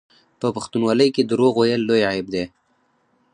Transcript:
په پښتونولۍ کې دروغ ویل لوی عیب دی.